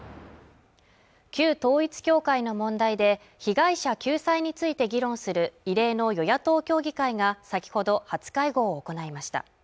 旧統一教会の問題で被害者救済について議論する異例の与野党協議会が先ほど初会合を行いました